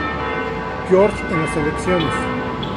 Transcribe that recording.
George en las elecciones.